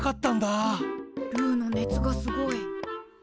ルーの熱がすごい。